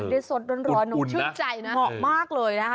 ได้สดร้อนร้อนอุ่นอุ่นนะชื่อใจน่ะเหมาะมากเลยนะคะ